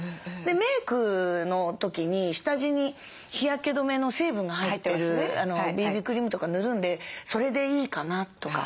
メークの時に下地に日焼け止めの成分が入ってるＢＢクリームとか塗るんでそれでいいかなとか。